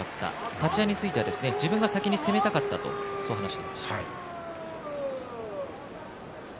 立ち合いでは先に攻めたかったと話していました。